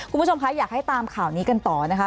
คุณผู้ชมคะอยากให้ตามข่าวนี้กันต่อนะคะ